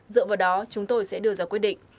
dựa vào đó chúng tôi sẽ đưa ra quyết định